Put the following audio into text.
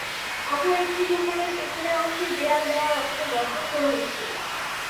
অপর একটি দোকানের পেছনের অংশে দেয়াল দেওয়ার জন্য গর্ত খোঁড়া হচ্ছে।